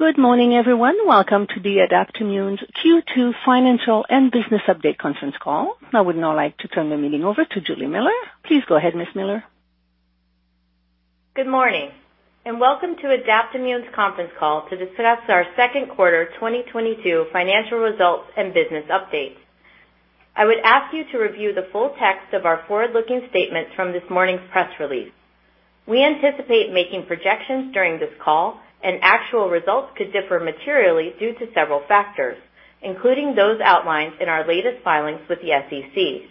Good morning, everyone. Welcome to the Adaptimmune Therapeutics' Q2 financial and business update conference call. I would now like to turn the meeting over to Juli Miller. Please go ahead, Miss Miller. Good morning, and welcome to Adaptimmune's conference call to discuss our second quarter 2022 financial results and business updates. I would ask you to review the full text of our forward-looking statements from this morning's press release. We anticipate making projections during this call, and actual results could differ materially due to several factors, including those outlined in our latest filings with the SEC.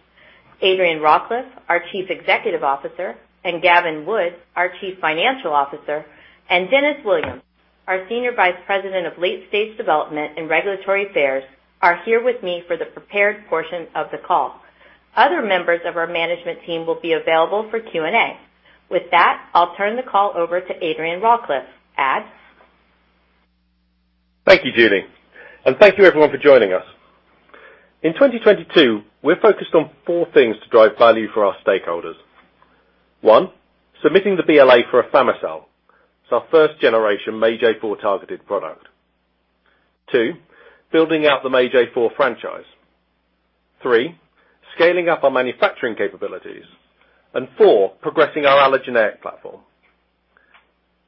Adrian Rawcliffe, our Chief Executive Officer, and Gavin Wood, our Chief Financial Officer, and Dennis Williams, our Senior Vice President of Late Stage Development and Regulatory Affairs, are here with me for the prepared portion of the call. Other members of our management team will be available for Q&A. With that, I'll turn the call over to Adrian Rawcliffe. Thank you, Juli, and thank you everyone for joining us. In 2022, we're focused on four things to drive value for our stakeholders. One, submitting the BLA for afami-cel. It's our first generation MAGE-A4 targeted product. Two, building out the MAGE-A4 franchise. Three, scaling up our manufacturing capabilities. Four, progressing our allogeneic platform.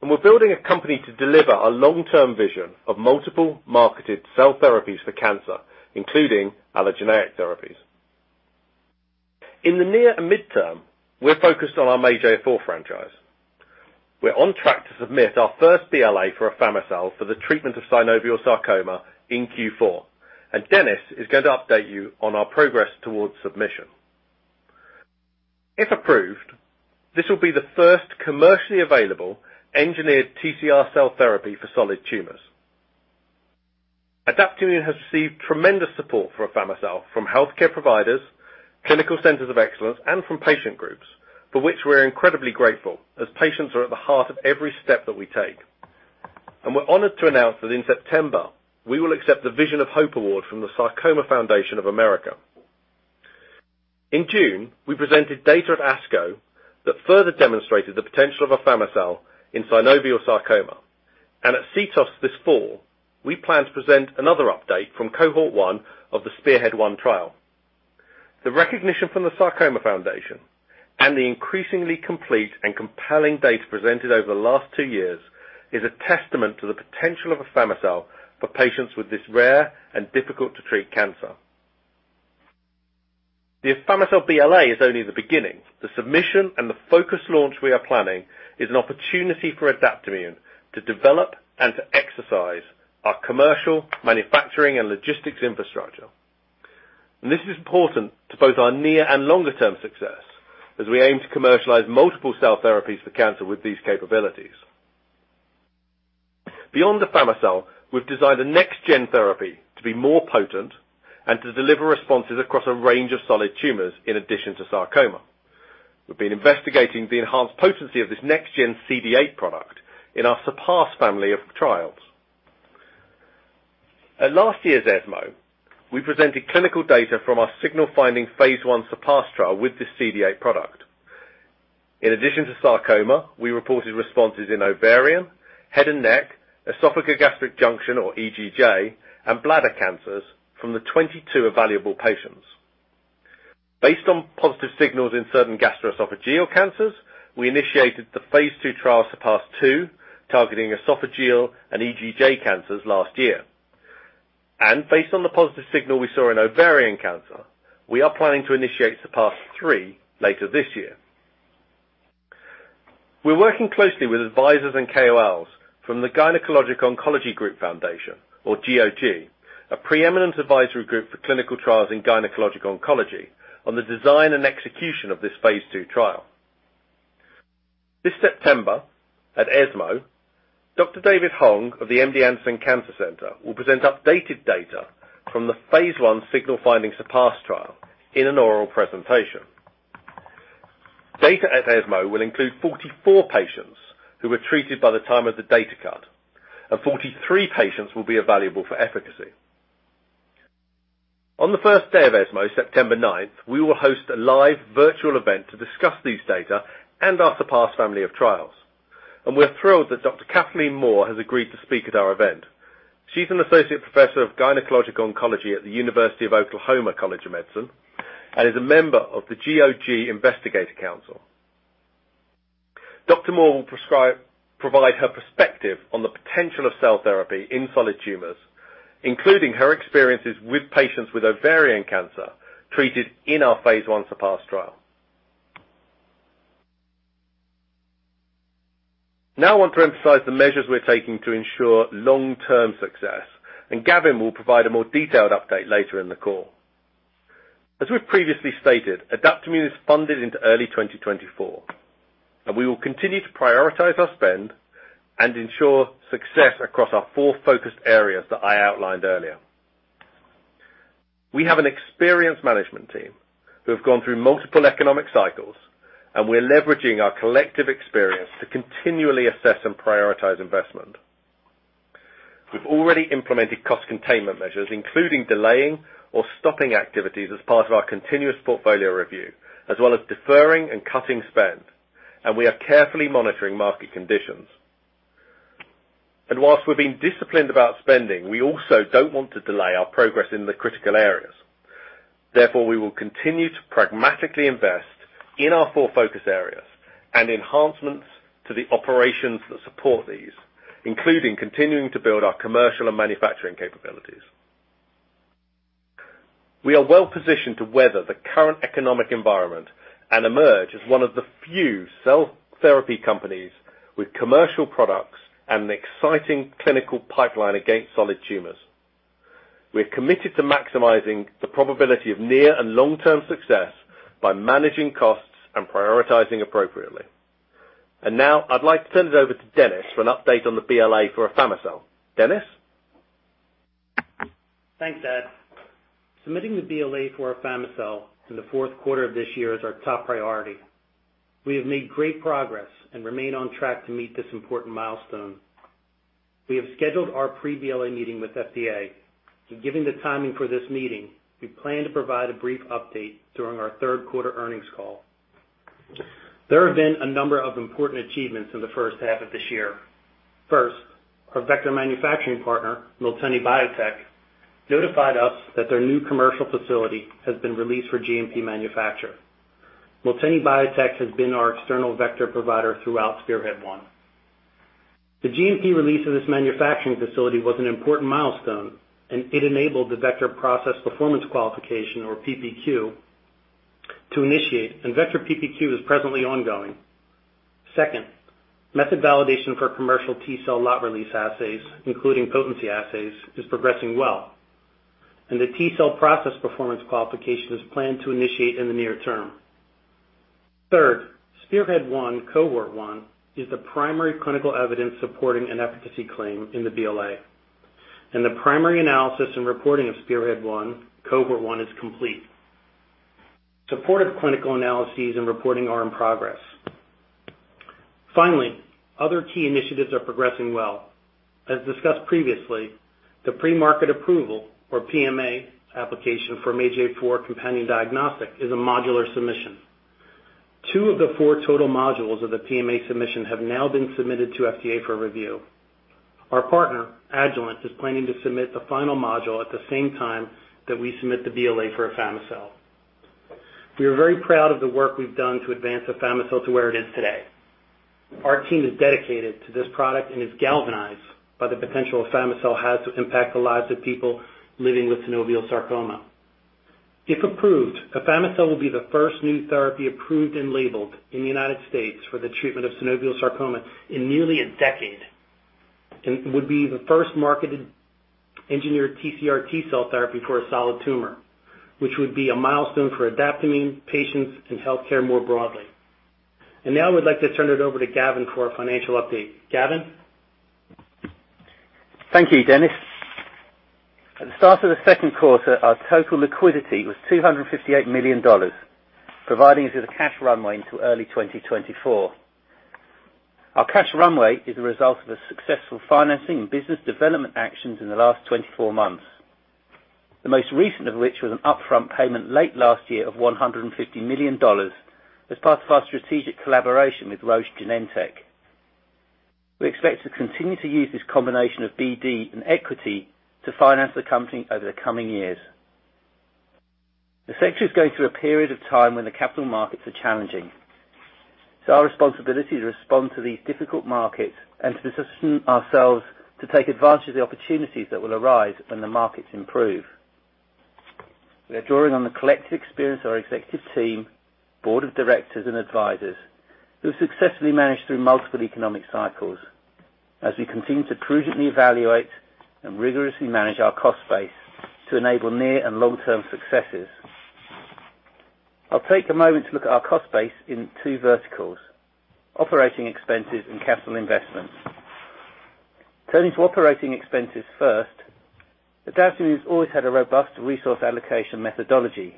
We're building a company to deliver our long-term vision of multiple marketed cell therapies for cancer, including allogeneic therapies. In the near and mid-term, we're focused on our MAGE-A4 franchise. We're on track to submit our first BLA for afami-cel for the treatment of synovial sarcoma in Q4, and Dennis is going to update you on our progress towards submission. If approved, this will be the first commercially available engineered TCR cell therapy for solid tumors. Adaptimmune has received tremendous support for afami-cel from healthcare providers, clinical centers of excellence, and from patient groups, for which we're incredibly grateful, as patients are at the heart of every step that we take. We're honored to announce that in September, we will accept the Vision of Hope Award from the Sarcoma Foundation of America. In June, we presented data at ASCO that further demonstrated the potential of afami-cel in synovial sarcoma. At CTOS this fall, we plan to present another update from cohort-1 of the SPEARHEAD-1 trial. The recognition from the Sarcoma Foundation and the increasingly complete and compelling data presented over the last two years is a testament to the potential of afami-cel for patients with this rare and difficult-to-treat cancer. The afami-cel BLA is only the beginning. The submission and the focused launch we are planning is an opportunity for Adaptimmune to develop and to exercise our commercial, manufacturing, and logistics infrastructure. This is important to both our near and longer term success as we aim to commercialize multiple cell therapies for cancer with these capabilities. Beyond afami-cel, we've designed a next gen therapy to be more potent and to deliver responses across a range of solid tumors in addition to sarcoma. We've been investigating the enhanced potency of this next gen CD8 product in our SURPASS family of trials. At last year's ESMO, we presented clinical data from our signal finding phase I SURPASS trial with this CD8 product. In addition to sarcoma, we reported responses in ovarian, head and neck, esophagogastric junction or EGJ, and bladder cancers from the 22 evaluable patients. Based on positive signals in certain gastroesophageal cancers, we initiated the phase II trial SURPASS-2, targeting esophageal and EGJ cancers last year. Based on the positive signal we saw in ovarian cancer, we are planning to initiate SURPASS-3 later this year. We're working closely with advisors and KOLs from the GOG Foundation, or GOG, a preeminent advisory group for clinical trials in gynecologic oncology, on the design and execution of this phase II trial. This September, at ESMO, Dr. David Hong of the MD Anderson Cancer Center will present updated data from the phase I signal finding SURPASS trial in an oral presentation. Data at ESMO will include 44 patients who were treated by the time of the data cut, and 43 patients will be evaluable for efficacy. On the first day of ESMO, September ninth, we will host a live virtual event to discuss these data and our SURPASS family of trials. We're thrilled that Dr. Kathleen Moore has agreed to speak at our event. She's an associate professor of gynecologic oncology at the University of Oklahoma College of Medicine, and is a member of the GOG Investigator Council. Dr. Moore will provide her perspective on the potential of cell therapy in solid tumors, including her experiences with patients with ovarian cancer treated in our phase I SURPASS trial. Now I want to emphasize the measures we're taking to ensure long-term success, and Gavin will provide a more detailed update later in the call. As we've previously stated, Adaptimmune is funded into early 2024, and we will continue to prioritize our spend and ensure success across our four focused areas that I outlined earlier. We have an experienced management team. We have gone through multiple economic cycles, and we're leveraging our collective experience to continually assess and prioritize investment. We've already implemented cost containment measures, including delaying or stopping activities as part of our continuous portfolio review, as well as deferring and cutting spend. We are carefully monitoring market conditions. While we're being disciplined about spending, we also don't want to delay our progress in the critical areas. Therefore, we will continue to pragmatically invest in our four focus areas and enhancements to the operations that support these, including continuing to build our commercial and manufacturing capabilities. We are well-positioned to weather the current economic environment and emerge as one of the few cell therapy companies with commercial products and an exciting clinical pipeline against solid tumors. We're committed to maximizing the probability of near and long-term success by managing costs and prioritizing appropriately. Now I'd like to turn it over to Dennis for an update on the BLA for afami-cel. Dennis? Thanks, Ed. Submitting the BLA for afami-cel in the fourth quarter of this year is our top priority. We have made great progress and remain on track to meet this important milestone. We have scheduled our pre-BLA meeting with FDA, so given the timing for this meeting, we plan to provide a brief update during our third quarter earnings call. There have been a number of important achievements in the first half of this year. First, our vector manufacturing partner, Miltenyi Biotec, notified us that their new commercial facility has been released for GMP manufacture. Miltenyi Biotec has been our external vector provider throughout SPEARHEAD-1. The GMP release of this manufacturing facility was an important milestone, and it enabled the vector process performance qualification or PPQ to initiate, and vector PPQ is presently ongoing. Second, method validation for commercial T-cell lot release assays, including potency assays, is progressing well, and the T-cell process performance qualification is planned to initiate in the near term. Third, SPEARHEAD-1, cohort-1 is the primary clinical evidence supporting an efficacy claim in the BLA. The primary analysis and reporting of SPEARHEAD-1, cohort-1 is complete. Supportive clinical analyses and reporting are in progress. Finally, other key initiatives are progressing well. As discussed previously, the pre-market approval or PMA application for MAGE-A4 companion diagnostic is a modular submission. 2 of the 4 total modules of the PMA submission have now been submitted to FDA for review. Our partner, Agilent, is planning to submit the final module at the same time that we submit the BLA for afami-cel. We are very proud of the work we've done to advance afami-cel to where it is today. Our team is dedicated to this product and is galvanized by the potential afami-cel has to impact the lives of people living with synovial sarcoma. If approved, afami-cel will be the first new therapy approved and labeled in the United States for the treatment of synovial sarcoma in nearly a decade, and would be the first marketed engineered TCR T-cell therapy for a solid tumor, which would be a milestone for Adaptimmune, patients, and healthcare more broadly. Now I would like to turn it over to Gavin for a financial update. Gavin? Thank you, Dennis. At the start of the second quarter, our total liquidity was $258 million, providing us with a cash runway into early 2024. Our cash runway is a result of a successful financing and business development actions in the last 24 months. The most recent of which was an upfront payment late last year of $150 million as part of our strategic collaboration with Roche Genentech. We expect to continue to use this combination of BD and equity to finance the company over the coming years. The sector is going through a period of time when the capital markets are challenging. Our responsibility is to respond to these difficult markets and to position ourselves to take advantage of the opportunities that will arise when the markets improve. We are drawing on the collective experience of our executive team, board of directors, and advisors who have successfully managed through multiple economic cycles as we continue to prudently evaluate and rigorously manage our cost base to enable near and long-term successes. I'll take a moment to look at our cost base in two verticals, operating expenses and capital investments. Turning to operating expenses first, Adaptimmune has always had a robust resource allocation methodology.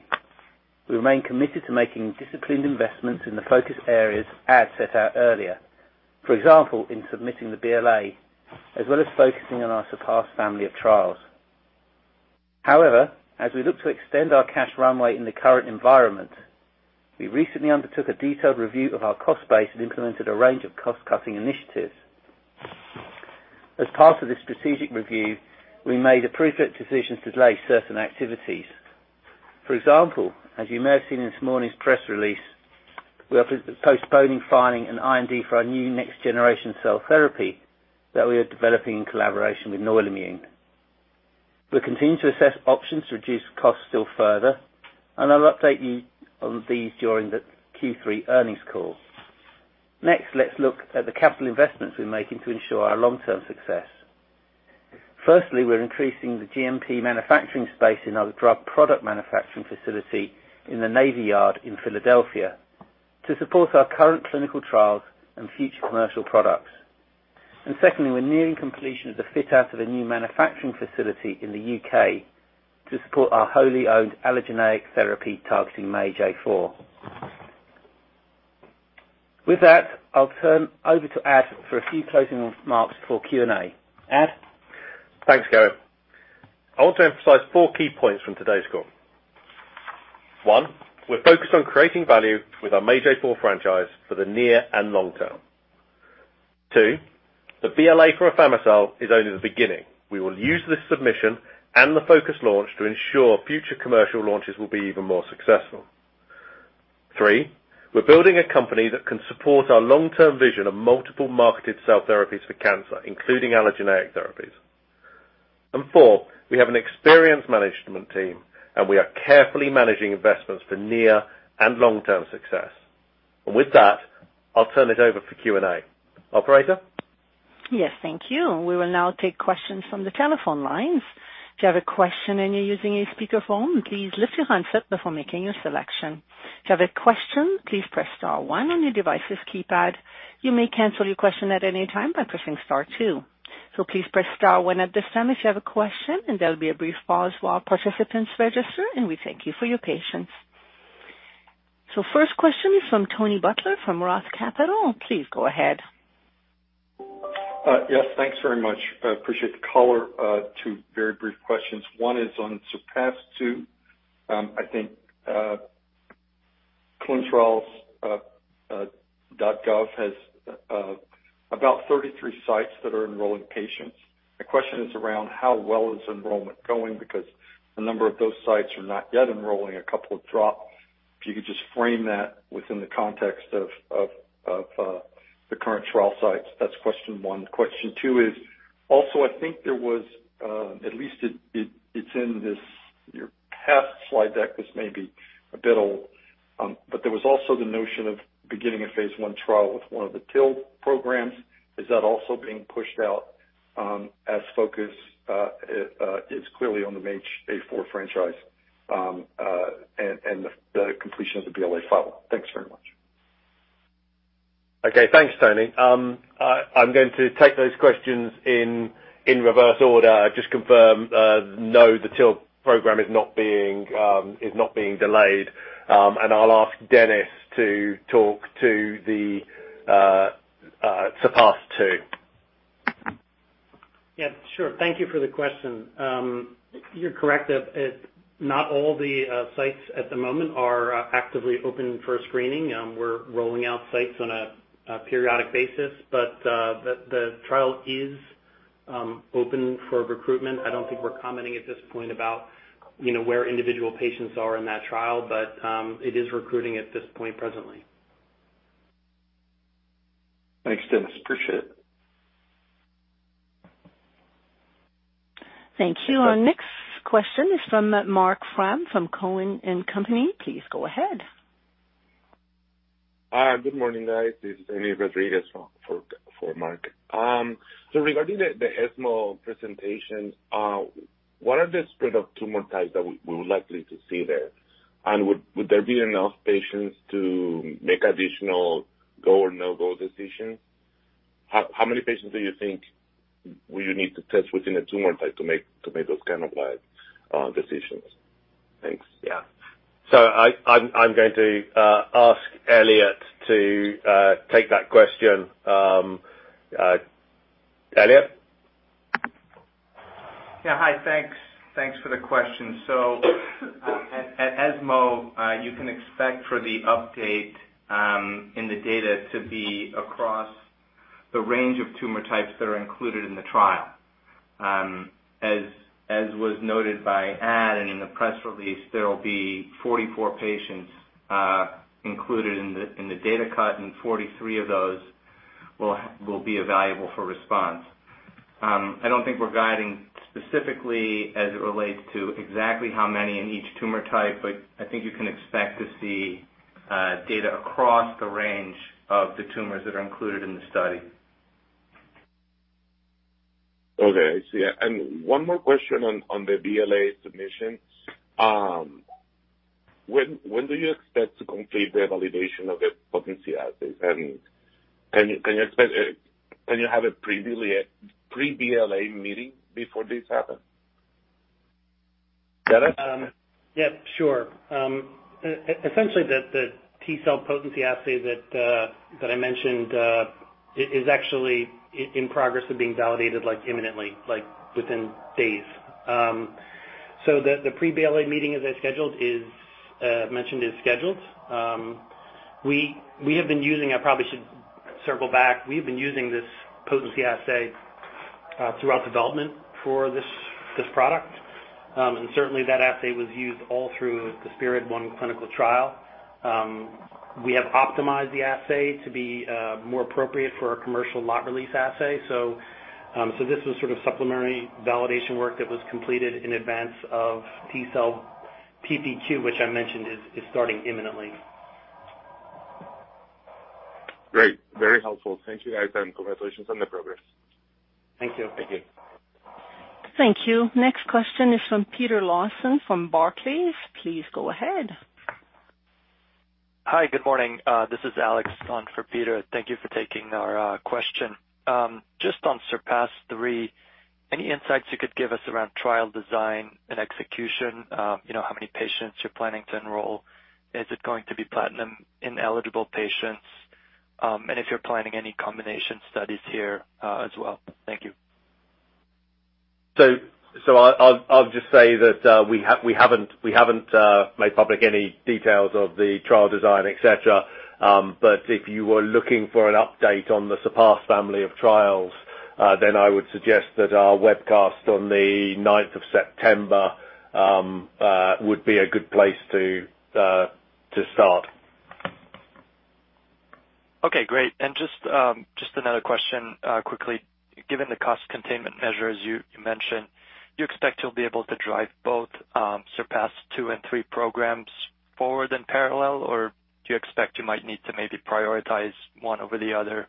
We remain committed to making disciplined investments in the focus areas Adrian set out earlier. For example, in submitting the BLA, as well as focusing on our SURPASS family of trials. However, as we look to extend our cash runway in the current environment, we recently undertook a detailed review of our cost base and implemented a range of cost-cutting initiatives. As part of this strategic review, we made appropriate decisions to delay certain activities. For example, as you may have seen in this morning's press release, we are postponing filing an IND for our new next-generation cell therapy that we are developing in collaboration with Noile-Immune. We continue to assess options to reduce costs still further, and I'll update you on these during the Q3 earnings call. Next, let's look at the capital investments we're making to ensure our long-term success. Firstly, we're increasing the GMP manufacturing space in our drug product manufacturing facility in the Navy Yard in Philadelphia to support our current clinical trials and future commercial products. Secondly, we're nearing completion of the fit-out of a new manufacturing facility in the U.K. to support our wholly-owned allogeneic therapy targeting MAGE-A4. With that, I'll turn over to Adrian for a few closing remarks before Q&A. Adrian? Thanks, Gavin.I want to emphasize four key points from today's call. One, we're focused on creating value with our MAGE-A4 franchise for the near and long term. Two, the BLA for afami-cel is only the beginning. We will use this submission and the focused launch to ensure future commercial launches will be even more successful. Three, we're building a company that can support our long-term vision of multiple marketed cell therapies for cancer, including allogeneic therapies. Four, we have an experienced management team, and we are carefully managing investments for near and long-term success. With that, I'll turn it over for Q&A. Operator? Yes. Thank you. We will now take questions from the telephone lines. If you have a question and you're using a speakerphone, please lift your handset before making your selection. If you have a question, please press star one on your device's keypad. You may cancel your question at any time by pressing star two. Please press star one at this time if you have a question, and there'll be a brief pause while participants register, and we thank you for your patience. First question is from Tony Butler from Roth Capital. Please go ahead. Yes, thanks very much. I appreciate the call. Two very brief questions. One is on Surpass two. I think clinicaltrials.gov has about 33 sites that are enrolling patients. My question is around how well is enrollment going because a number of those sites are not yet enrolling, a couple have dropped. If you could just frame that within the context of the current trial sites. That's question one. Question two is also. I think there was at least. It's in this your past slide deck. This may be a bit old, but there was also the notion of beginning a phase I trial with one of the TIL programs. Is that also being pushed out as focus is clearly on the MAGE-A4 franchise and the completion of the BLA file? Thanks very much. Okay. Thanks, Tony. I'm going to take those questions in reverse order. Just confirm, no, the TIL program is not being delayed. I'll ask Dennis to talk to the SURPASS-2. Yeah, sure. Thank you for the question. You're correct that not all the sites at the moment are actively open for screening. We're rolling out sites on a periodic basis. The trial is open for recruitment. I don't think we're commenting at this point about, you know, where individual patients are in that trial, but it is recruiting at this point presently. Thanks, Dennis. Appreciate it. Thank you. Our next question is from Marc Frahm from TD Cowen. Please go ahead. Hi, good morning, guys. This is Anthony Rodriguez for Marc Frahm. Regarding the ESMO presentation, what are the spread of tumor types that we would likely to see there? Would there be enough patients to make additional go or no-go decisions? How many patients do you think would you need to test within a tumor type to make those kind of decisions? Thanks. Yeah. I'm going to ask Elliot to take that question. Elliot? Yeah. Hi. Thanks for the question. At ESMO, you can expect for the update in the data to be across the range of tumor types that are included in the trial. As was noted by Adrian Rawcliffe and in the press release, there will be 44 patients included in the data cut, and 43 of those will be evaluable for response. I don't think we're guiding specifically as it relates to exactly how many in each tumor type, but I think you can expect to see data across the range of the tumors that are included in the study. Okay, I see. One more question on the BLA submission. When do you expect to complete the validation of the potency assays? Can you have a pre-BLA meeting before this happens? Dennis? Yeah, sure. Essentially, the T-cell potency assay that I mentioned is actually in the process of being validated like imminently, like within days. The pre-BLA meeting, as I mentioned, is scheduled. I probably should circle back. We have been using this potency assay throughout development for this product. Certainly that assay was used all through the SPEARHEAD-1 clinical trial. We have optimized the assay to be more appropriate for our commercial lot release assay. This was sort of supplementary validation work that was completed in advance of T-cell PPQ, which I mentioned is starting imminently. Great. Very helpful. Thank you guys, and congratulations on the progress. Thank you. Thank you. Thank you. Next question is from Peter Lawson from Barclays. Please go ahead. Hi. Good morning. This is Alex on for Peter. Thank you for taking our question. Just on SURPASS-3, any insights you could give us around trial design and execution? You know, how many patients you're planning to enroll. Is it going to be platinum-ineligible patients? If you're planning any combination studies here, as well. Thank you. I'll just say that we haven't made public any details of the trial design, et cetera. If you were looking for an update on the SURPASS family of trials, then I would suggest that our webcast on the 9th of September would be a good place to start. Okay, great. Just another question, quickly. Given the cost containment measures you mentioned, do you expect you'll be able to drive both SURPASS-2 and SURPASS-3 programs forward in parallel, or do you expect you might need to maybe prioritize one over the other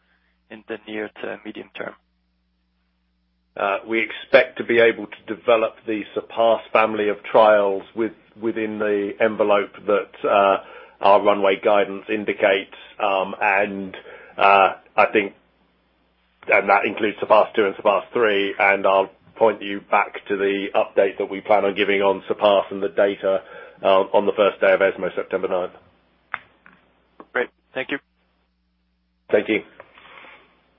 in the near to medium term? We expect to be able to develop the SURPASS family of trials within the envelope that our runway guidance indicates. I think, and that includes SURPASS-2 and SURPASS-3, and I'll point you back to the update that we plan on giving on SURPASS and the data on the first day of ESMO, September 9th. Great. Thank you. Thank you.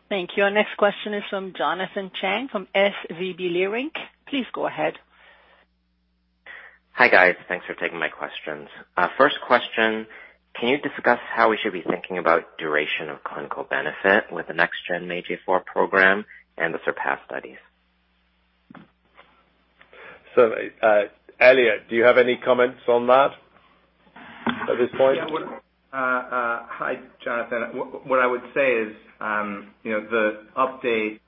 Thank you. Our next question is from Jonathan Chang, from SVB Leerink. Please go ahead. Hi, guys. Thanks for taking my questions. First question. Can you discuss how we should be thinking about duration of clinical benefit with the next gen MAGE-A4 program and the SURPASS studies? Elliot, do you have any comments on that at this point? Yeah. Hi, Jonathan. What I would say is, you know, the update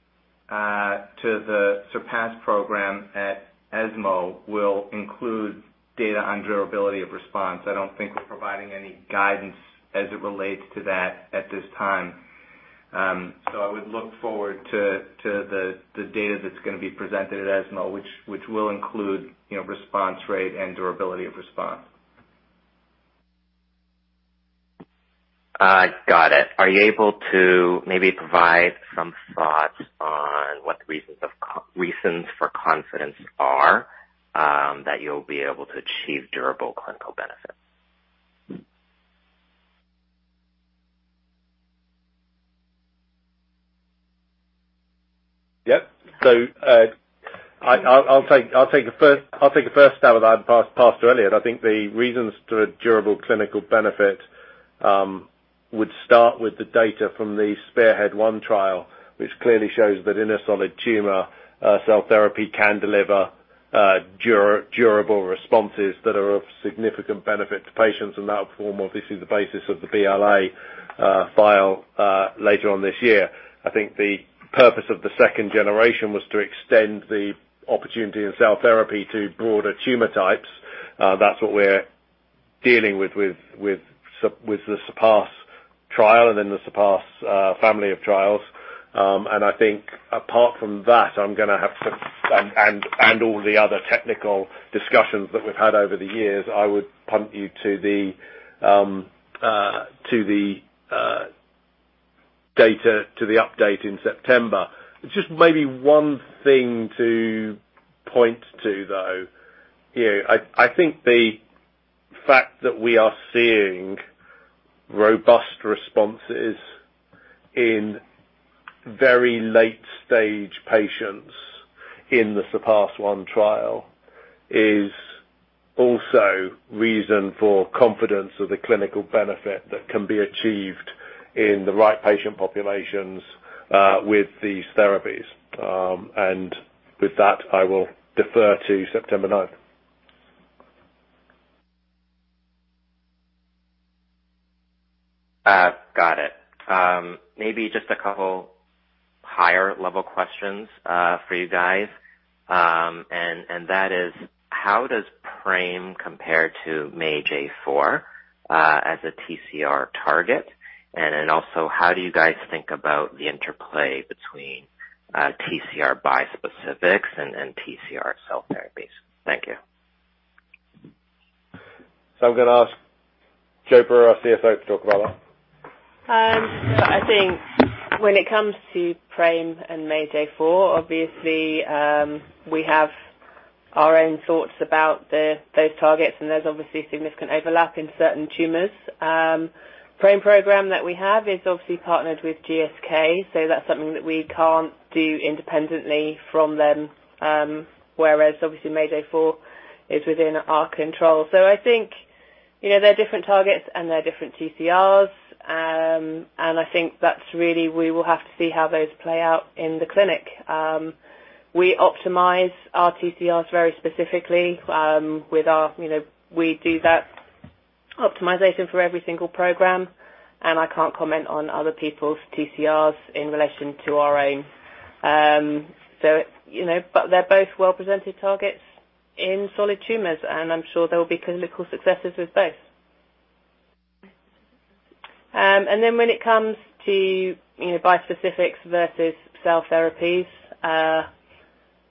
to the SURPASS program at ESMO will include data on durability of response. I don't think we're providing any guidance as it relates to that at this time. I would look forward to the data that's gonna be presented at ESMO, which will include, you know, response rate and durability of response. Got it. Are you able to maybe provide some thoughts on what the reasons for confidence are that you'll be able to achieve durable clinical benefit? Yep. I'll take the first stab at that and pass to Elliot. I think the reasons for a durable clinical benefit would start with the data from the SPEARHEAD-1 trial, which clearly shows that in a solid tumor, cell therapy can deliver durable responses that are of significant benefit to patients. That will form obviously the basis of the BLA filing later on this year. I think the purpose of the second generation was to extend the opportunity in cell therapy to broader tumor types. That's what we're dealing with with the SURPASS trial and in the SURPASS family of trials. I think apart from that, I'm gonna have to. All the other technical discussions that we've had over the years, I would punt you to the data, to the update in September. Just maybe one thing to point to, though. You know, I think the fact that we are seeing robust responses in very late stage patients in the SURPASS-1 trial is also reason for confidence of the clinical benefit that can be achieved in the right patient populations, with these therapies. With that, I will defer to September ninth. Got it. Maybe just a couple higher level questions for you guys. That is how does PRAME compare to MAGE-A4 as a TCR target? Then also how do you guys think about the interplay between TCR bispecifics and TCR cell therapies? Thank you. I'm gonna ask Joanna Brewer, our CSO, to talk about that. I think when it comes to PRAME and MAGE-A4, obviously, we have our own thoughts about those targets, and there's obviously significant overlap in certain tumors. PRAME program that we have is obviously partnered with GSK, so that's something that we can't do independently from them. Whereas obviously MAGE-A4 is within our control. I think, you know, they're different targets and they're different TCRs. I think that's really, we will have to see how those play out in the clinic. We optimize our TCRs very specifically, with our, you know, we do that optimization for every single program, and I can't comment on other people's TCRs in relation to our own. You know, but they're both well-presented targets in solid tumors, and I'm sure there will be clinical successes with both. When it comes to, you know, bispecifics versus cell therapies, I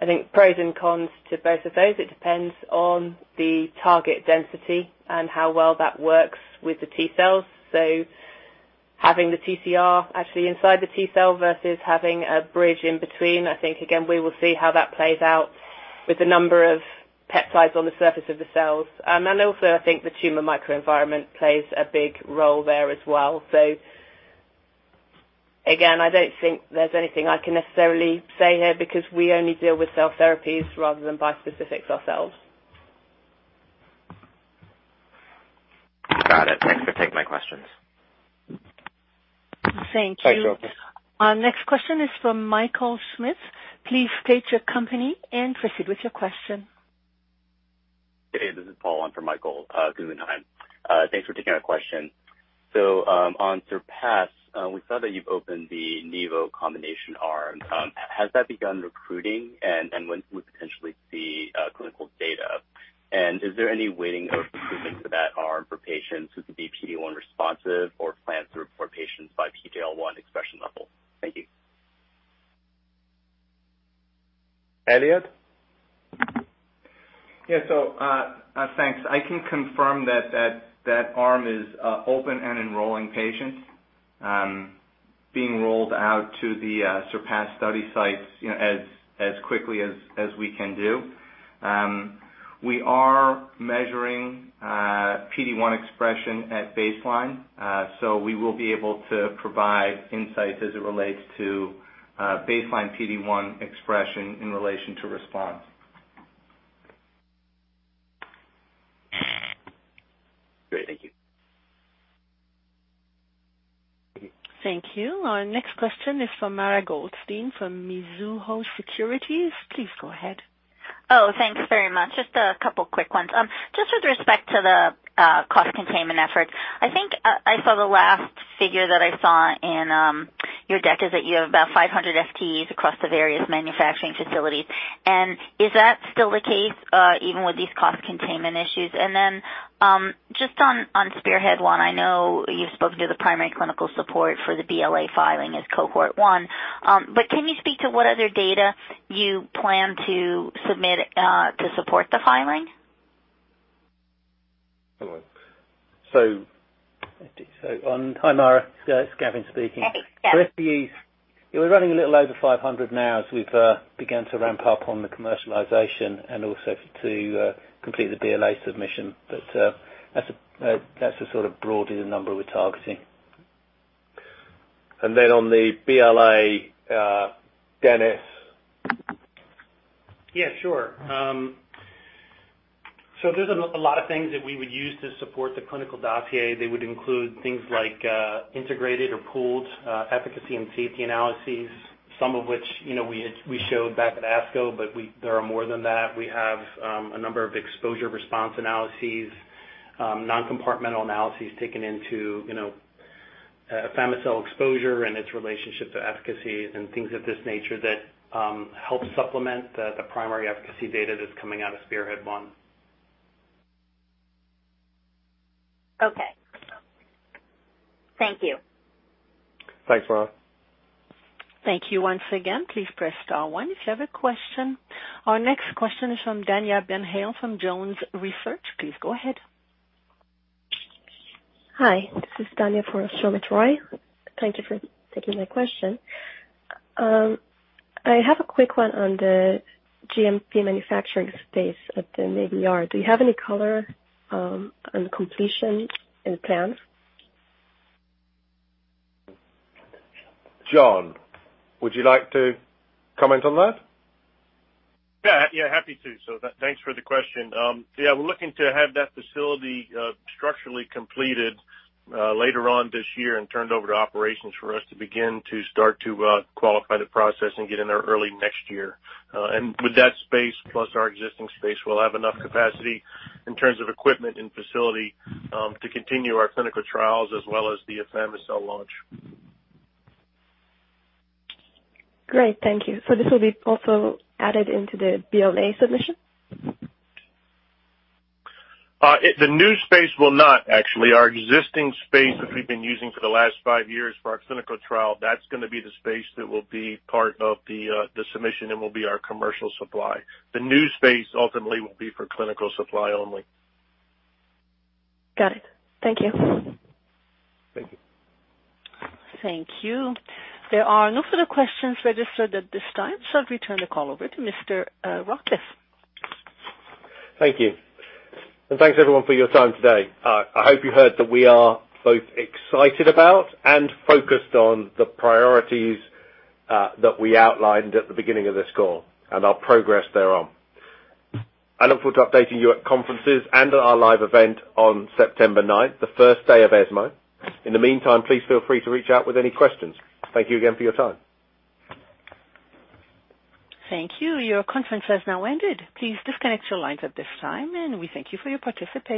think pros and cons to both of those, it depends on the target density and how well that works with the T-cells. Having the TCR actually inside the T-cell versus having a bridge in between, I think again, we will see how that plays out. With the number of peptides on the surface of the cells. Also, I think the tumor microenvironment plays a big role there as well. Again, I don't think there's anything I can necessarily say here because we only deal with cell therapies rather than bispecifics ourselves. Got it. Thanks for taking my questions. Thank you. Thanks, Jonathan. Our next question is from Michael Smith. Please state your company and proceed with your question. Hey, this is Paul. I'm from Guggenheim. Thanks for taking our question. On SURPASS, we saw that you've opened the nivolumab combination arm. Has that begun recruiting and when can we potentially see clinical data? And is there any waiting or recruitment for that arm for patients who could be PD-1 responsive or plans to report patients by PD-L1 expression level? Thank you. Elliot? Yeah. Thanks. I can confirm that arm is open and enrolling patients, being rolled out to the SURPASS study sites, you know, as quickly as we can do. We are measuring PD-1 expression at baseline. We will be able to provide insights as it relates to baseline PD-1 expression in relation to response. Great. Thank you. Thank you. Our next question is from Mara Goldstein from Mizuho Securities. Please go ahead. Oh, thanks very much. Just a couple quick ones. Just with respect to the cost containment effort, I think I saw the last figure that I saw in your deck is that you have about 500 FTEs across the various manufacturing facilities. Is that still the case, even with these cost containment issues? Just on SPEARHEAD-1, I know you've spoken to the primary clinical support for the BLA filing as cohort 1. Can you speak to what other data you plan to submit to support the filing? Hello. Hi, Mara, it's Gavin speaking. Hi. Gavin. FTEs. We're running a little over 500 now as we've begun to ramp up on the commercialization and also to complete the BLA submission. That's the sort of broad number we're targeting. On the BLA, Dennis? Yeah, sure. So there's a lot of things that we would use to support the clinical dossier. They would include things like integrated or pooled efficacy and safety analyses, some of which, you know, we showed back at ASCO, but there are more than that. We have a number of exposure response analyses, non-compartmental analyses taking into, you know, afami-cel exposure and its relationship to efficacy and things of this nature that help supplement the primary efficacy data that's coming out of SPEARHEAD-1. Okay. Thank you. Thanks, Mara. Thank you once again. Please press star one if you have a question. Our next question is from Dania Ben Hale from Jones Research. Please go ahead. Hi, this is Dania for Sumit Roy. Thank you for taking my question. I have a quick one on the GMP manufacturing space at the Navy Yard. Do you have any color on completion and plans? John, would you like to comment on that? Happy to. Thanks for the question. We're looking to have that facility structurally completed later on this year and turned over to operations for us to begin to start to qualify the process and get in there early next year. With that space, plus our existing space, we'll have enough capacity in terms of equipment and facility to continue our clinical trials as well as the afami-cel launch. Great. Thank you. This will be also added into the BLA submission? The new space will not actually. Our existing space that we've been using for the last five years for our clinical trial, that's gonna be the space that will be part of the submission and will be our commercial supply. The new space ultimately will be for clinical supply only. Got it. Thank you. Thank you. Thank you. There are no further questions registered at this time, so I'll return the call over to Mr. Rawcliffe. Thank you. Thanks everyone for your time today. I hope you heard that we are both excited about and focused on the priorities that we outlined at the beginning of this call and our progress thereon. I look forward to updating you at conferences and at our live event on September 9th, the first day of ESMO. In the meantime, please feel free to reach out with any questions. Thank you again for your time. Thank you. Your conference has now ended. Please disconnect your lines at this time, and we thank you for your participation.